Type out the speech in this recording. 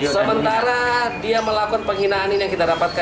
sementara dia melakukan penghinaan ini yang kita dapatkan